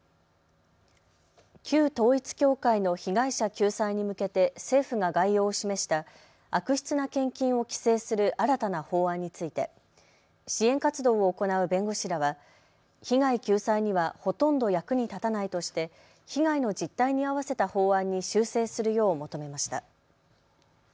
旧統一教会の被害者救済に向けて政府が概要を示した悪質な献金を規制する新たな法案について支援活動を行う弁護士らは被害救済にはほとんど役に立たないとして被害の実態に合わせた法案に修正するよう求めました。